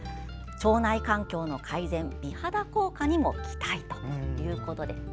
腸内環境の改善美肌効果にも期待ということです。